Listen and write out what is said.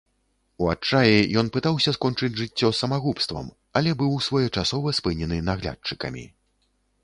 У адчаі ён пытаўся скончыць жыццё самагубствам, але быў своечасова спынены наглядчыкамі.